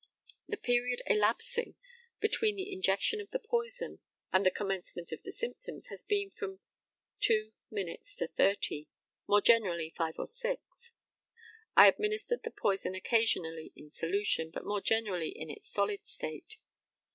The period elapsing between the injection of the poison and the commencement of the symptoms has been from two minutes to thirty more generally five or six. I administered the poison occasionally in solution, but more generally in its solid state.